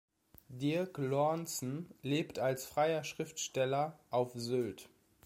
Dirk Lornsen lebt als freier Schriftsteller auf Sylt.